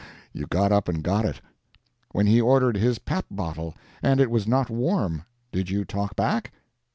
You got up and got it. When he ordered his pap bottle and it was not warm, did you talk back?